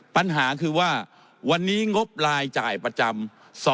ปัญหาคือว่าวันนี้งบรายจ่ายประจำ